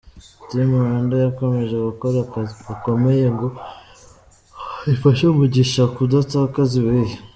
Team Rwanda yakomeje gukora akazi gakomeye ngo ifashe Mugisha kudatakaza ibihe.